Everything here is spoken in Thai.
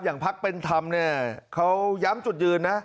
พักเป็นธรรมเนี่ยเขาย้ำจุดยืนนะ